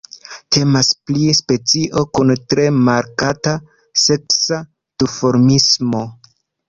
Temas pri specio kun tre markata seksa duformismo.